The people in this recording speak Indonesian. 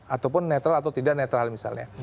ataupun netral atau tidak netral misalnya